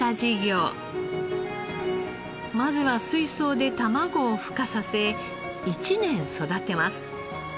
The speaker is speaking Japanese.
まずは水槽で卵をふ化させ１年育てます。